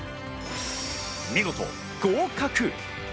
見事、合格。